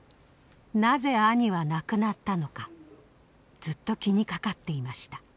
なぜ兄は亡くなったのかずっと気にかかっていました。